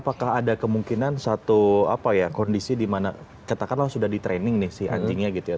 jadi ada kemungkinan satu kondisi dimana katakanlah sudah di training nih si anjingnya gitu ya